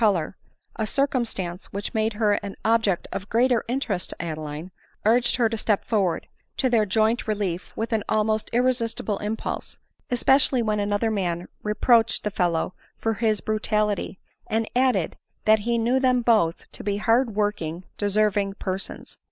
166 color — a circumstance which made her an object of greater interest to Adeline — urged her to step forward to their joint relief with an almost irresistible impulse ; especially when another man reproached the fellow for his brutality, and added, that he knew them both to be hard working, deserving persons.